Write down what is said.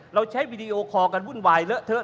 เราใช้วีดีโอคอลกันวุ่นวายเลอะเทอ